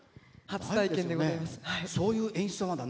初体験でございます。